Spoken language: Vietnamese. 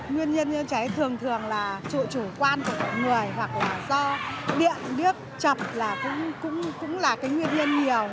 nguyên nhân như cháy thường thường là sự chủ quan của người hoặc là do điện nước chập là cũng là cái nguyên nhân nhiều